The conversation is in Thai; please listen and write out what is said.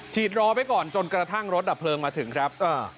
ฉีดรอไว้ก่อนจนกระทั่งรถดับเพลิงมาถึงครับ